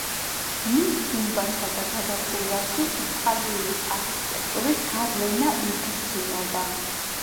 მის გუმბათსა და გადახურვაში იტალიური არქიტექტურის გავლენა იგრძნობა.